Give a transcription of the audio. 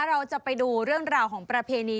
เราจะไปดูเรื่องราวของประเพณี